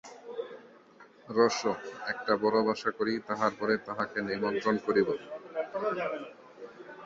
রোসো, একটা বড়ো বাসা করি, তাহার পরে তাহাকে নিমন্ত্রণ করিব।